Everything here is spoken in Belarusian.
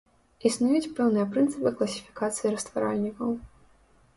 Існуюць пэўныя прынцыпы класіфікацыі растваральнікаў.